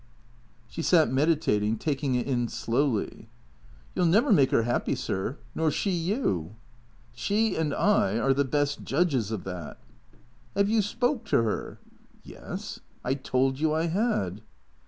" She sat meditating, taking it in slowly. "You'll never make 'er 'appy, sir. Nor she you." " She and I are the best judges of that." " 'Ave you spoke to 'er ?" "Yes. I told you I had."